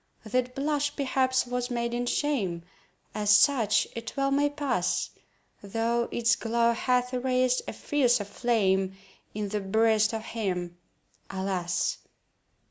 That blush, perhaps, was maiden shame— As such it well may pass— Though its glow hath raised a fiercer flame In the breast of him, alas!